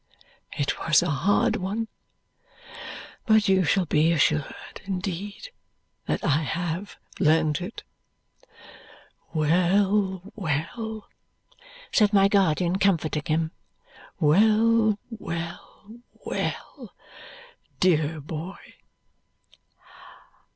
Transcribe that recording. It was a hard one, but you shall be assured, indeed, that I have learned it." "Well, well," said my guardian, comforting him; "well, well, well, dear boy!"